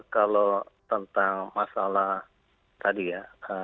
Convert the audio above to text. kalau tentang masalah tadi ya